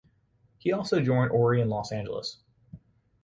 He also joined Ory in Los Angeles.